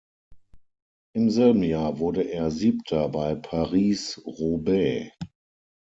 Im selben Jahr wurde er Siebter bei Paris–Roubaix.